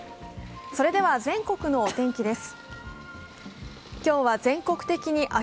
それでは全国のお天気です。